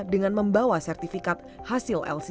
dengan membawa sertifikat hasil lc mil